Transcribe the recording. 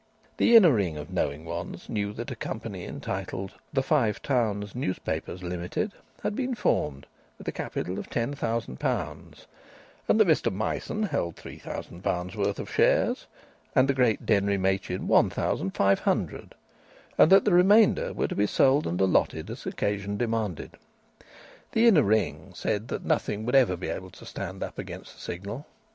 The inner ring of knowing ones knew that a company entitled "The Five Towns Newspapers, Limited," had been formed, with a capital of ten thousand pounds, and that Mr Myson held three thousand pounds' worth of shares, and the great Denry Machin one thousand five hundred, and that the remainder were to be sold and allotted as occasion demanded. The inner ring said that nothing would ever be able to stand up against the Signal.